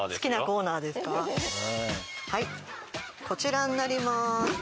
こちらになります。